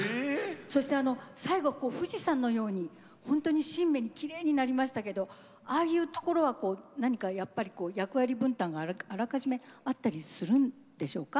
そしてあの最後こう富士山のようにほんとにシンメにきれいになりましたけどああいうところはこう何かやっぱりこう役割分担があらかじめあったりするんでしょうか？